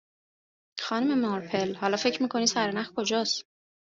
خانم مارپل، حالا فکر می کنی سر نخ کجاست؟